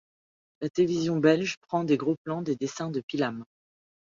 La télévision belge prend des gros plan des dessins de Pilamm.